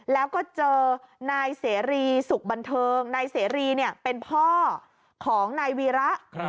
แล้วก็เจอนายเสรีสุขบันเทิงนายเสรีเป็นพ่อของนายวีระ